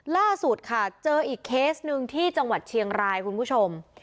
ล่าสุดค่ะเจออีกเคสหนึ่งที่จังหวัดเชียงรายคุณผู้ชม